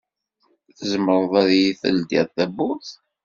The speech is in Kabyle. Tezmreḍ ad yi-d-teldiḍ tawwurt?